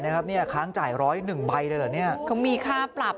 เนี่ยค้างจ่ายร้อยหนึ่งใบเลยเหรอเนี่ยเขามีค่าปรับ